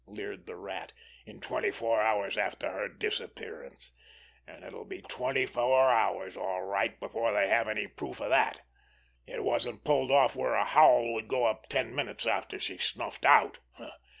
leered the Rat. "In twenty four hours after her disappearance. And it'll be twenty four hours all right before they have any proof of that. It wasn't pulled off where a howl would go up ten minutes after she snuffed out!